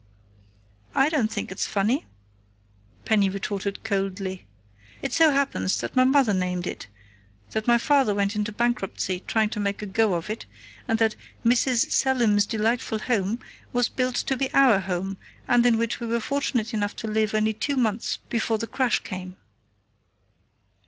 "I don't think it's funny," Penny retorted coldly. "It so happens that my mother named it, that my father went into bankruptcy trying to make a go of it, and that 'Mrs. Selim's delightful home' was built to be our home, and in which we were fortunate enough to live only two months before the crash came."